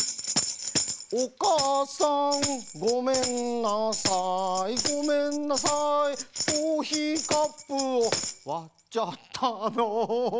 「おかあさんごめんなさい」「ごめんなさいコーヒーカップをわっちゃったの」